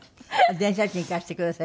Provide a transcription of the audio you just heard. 「電車賃貸してください」って？